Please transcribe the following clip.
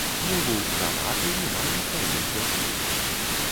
Мулу жанаты і мае траіх дзяцей.